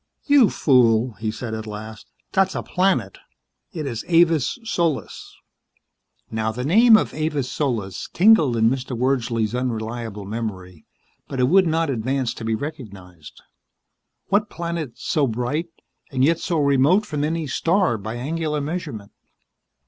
"You fool," he said at last, "that's a planet. It is Avis Solis." Now the name of Avis Solis tingled in Mr. Wordsley's unreliable memory, but it would not advance to be recognized. What planet so bright, and yet so remote from any star by angular measurement?